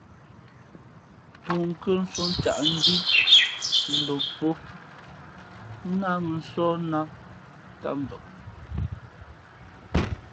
Pʉ̂nkhʉ̄ᾱ nsō ncǎʼ ndhí ndǒm pó náh mᾱ nsóh nát ntám mbak.